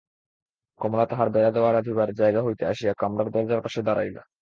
কমলা তাহার বেড়া-দেওয়া রাঁধিবার জায়গা হইতে আসিয়া কামরার দরজার পাশে দাঁড়াইল।